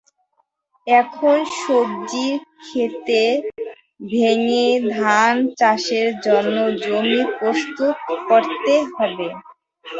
এখন সবজির খেত ভেঙে ধান চাষের জন্য জমি প্রস্তুত করতে হবে।